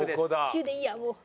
９でいいやもう。